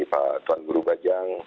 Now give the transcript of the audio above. pak tuan guru bajang